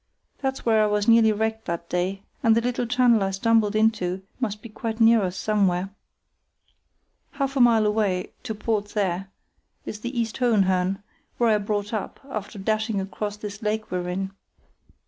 That's where I was nearly wrecked that day, and the little channel I stumbled into must be quite near us somewhere. Half a mile away—to port there—is the East Hohenhörn, where I brought up, after dashing across this lake we're in.